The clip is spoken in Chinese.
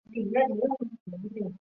盘花均为黄色。